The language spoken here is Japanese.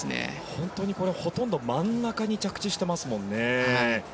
本当に、ほとんど真ん中に着地してますもんね。